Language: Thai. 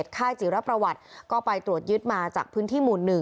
ค่ายจิรประวัติก็ไปตรวจยึดมาจากพื้นที่หมู่๑